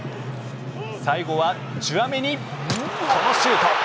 最後はチュアメニこのシュート。